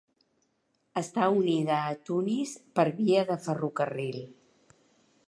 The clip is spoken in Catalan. Està unida a Tunis per via de ferrocarril.